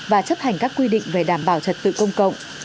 và chấp hành các quy định về đảm bảo trật tự công cộng